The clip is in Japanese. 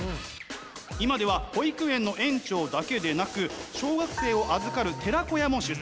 今では保育園の園長だけでなく小学生を預かる寺子屋も主宰。